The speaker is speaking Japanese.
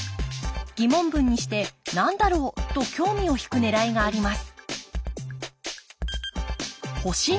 疑問文にして「何だろう？」と興味をひくねらいがあります